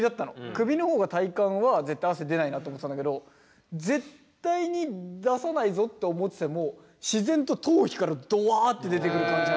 首の方が体感は絶対汗出ないなって思ってたんだけど絶対に出さないぞって思ってても自然と頭皮からドワッて出てくる感じなの。